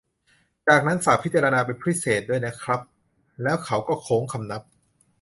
จากนั้น ฝากพิจารณาเป็นพิเศษด้วยนะครับ แล้วเขาก็โค้งคำนับ